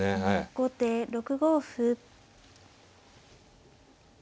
後手６五歩。